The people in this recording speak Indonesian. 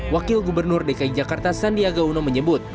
wakil gubernur dki jakarta sandiaga uno menyebut